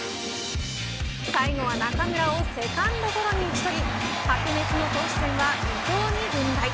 最後は中村をセカンドゴロに打ち取り白熱の投手戦は伊藤に軍配。